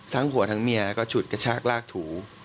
หัวทั้งเมียก็ฉุดกระชากลากถู